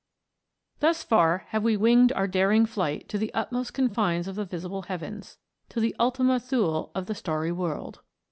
Thus far have we winged, our daring flight to the utmost confines of the visible heavens, to the Ultima Thule of the starry world.